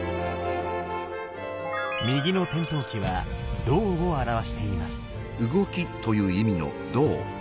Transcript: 右の天燈鬼は「動」を表しています。